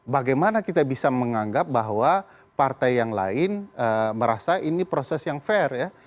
bagaimana kita bisa menganggap bahwa partai yang lain merasa ini proses yang fair ya